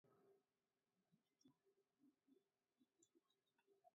Lapurreta izan den unean ez zegoen bezerorik bertan.